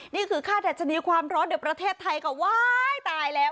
นี่คือค่าดัชนีความร้อนเดี๋ยวประเทศไทยก็ว้ายตายแล้ว